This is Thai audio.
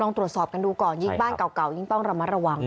ตรวจสอบกันดูก่อนยิ่งบ้านเก่ายิ่งต้องระมัดระวัง